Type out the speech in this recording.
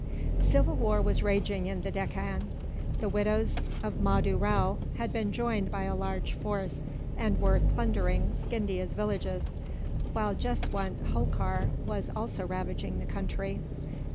Civil war was raging in the Deccan. The widows of Mahdoo Rao had been joined by a large force, and were plundering Scindia's villages; while Jeswunt Holkar was also ravaging the country.